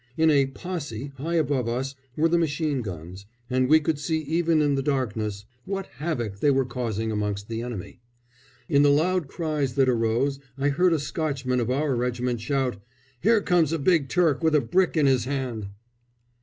In a "possy" high above us were the machine guns, and we could see even in the darkness what havoc they were causing amongst the enemy. In the loud cries that arose I heard a Scotchman of our regiment shout, "Here comes a big Turk with a brick in his hand!"